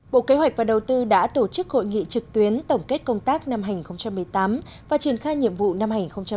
bộ kế hoạch và đầu tư đã tổ chức hội nghị trực tuyến tổng kết công tác năm hai nghìn một mươi tám và triển khai nhiệm vụ năm hai nghìn một mươi chín